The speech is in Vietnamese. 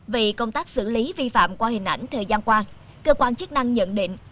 vì công tác xử lý vi phạm qua hình ảnh thời gian qua cơ quan chức năng nhận định